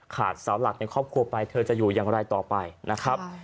เสาหลักในครอบครัวไปเธอจะอยู่อย่างไรต่อไปนะครับ